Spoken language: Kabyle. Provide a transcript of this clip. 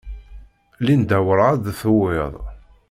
Linda werɛad d-tuwiḍ.